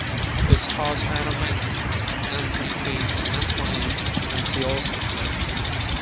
It stars Anna Magnani, Anthony Quinn and Anthony Franciosa.